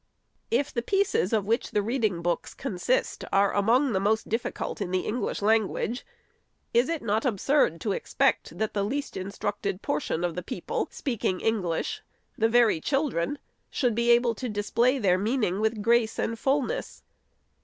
If the pieces of which the reading books consist are among the most difficult in the English language, is it not absurd to expect that the least instructed portion of the people, speaking English — the very children — should be able to display their meaning with grace and fulness